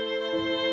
pesek air papi